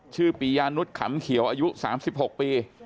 ปียานุษย์ขำเขียวอายุ๓๖ปี